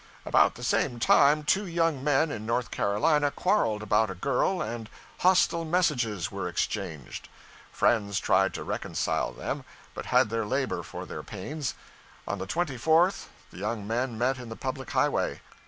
About the same time, two young men in North Carolina quarreled about a girl, and 'hostile messages' were exchanged. Friends tried to reconcile them, but had their labor for their pains. On the 24th the young men met in the public highway.